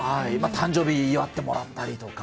誕生日祝ってもらったりとか。